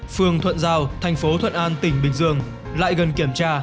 phường thuận giao thành phố thuận an tỉnh bình dương lại gần kiểm tra